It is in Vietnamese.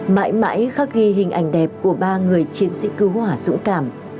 mãi mãi khắc ghi hình ảnh đẹp của ba người chiến sĩ cứu hỏa dũng cảm